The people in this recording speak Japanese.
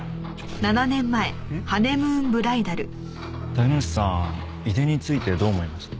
竹之内さん井出についてどう思います？